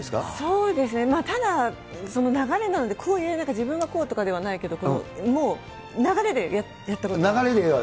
そうですね、ただ、流れなので、こういうなんか、自分がこうとかではないけど、もう、流れで流れでは。